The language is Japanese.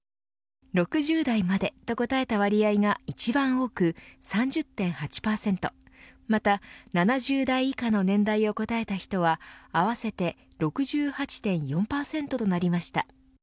６０代までと答えた割合が一番多く３０．８％また７０代以下の年代を答えた人は合わせて６８．４％となりました。